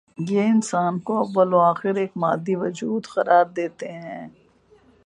یہ انسان کو اوّ ل و آخر ایک مادی وجود قرار دیتے ہیں۔